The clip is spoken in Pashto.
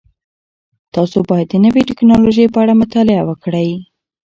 تاسو باید د نوې تکنالوژۍ په اړه مطالعه وکړئ.